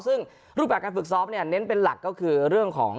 ซึ่งรูปแบบการฝึกซ้อมเนี่ยเน้นเป็นหลักก็คือเรื่องของ